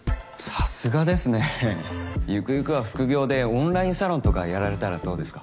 さすがですねゆくゆくは副業でオンラインサロンとかやられたらどうですか？